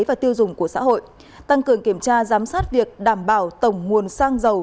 và tiêu dùng của xã hội tăng cường kiểm tra giám sát việc đảm bảo tổng nguồn sang dầu